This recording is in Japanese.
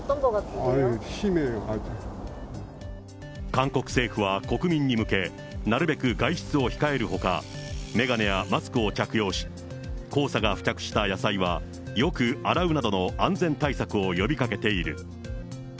韓国政府は国民に向け、なるべく外出を控えるほか、眼鏡やマスクを着用し、黄砂が付着した野菜はよく洗うなどの安全対策を呼びかけている。